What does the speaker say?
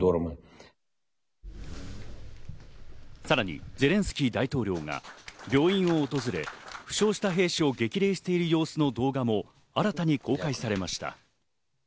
さらにゼレンスキー大統領が病院を訪れ、負傷した兵士を激励している様子の動画も新たに公開されました。